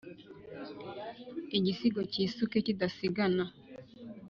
igisigo cyisuke kidasigana